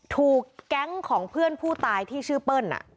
ถูกแก๊งของเพื่อนผู้ตายที่ชื่อเปิ้ล